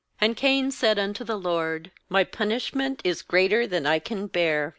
13And Cain said unto the LORD :' My punish ment is greater than I can bear.